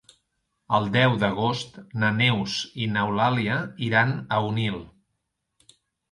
El deu d'agost na Neus i n'Eulàlia iran a Onil.